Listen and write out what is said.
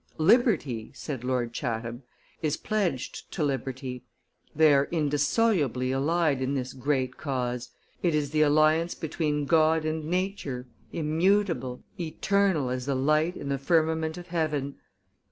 "Liberty," said Lord Chatham, "is pledged to liberty; they are indissolubly allied in this great cause, it is the alliance between God and nature, immutable, eternal, as the light in the firmament of heaven!